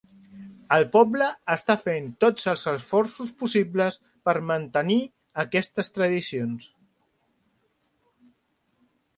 El poble està fent tots els esforços possibles per mantenir aquestes tradicions.